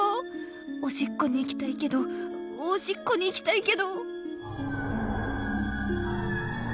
おしっこに行きたいけどおしっこに行きたいけど。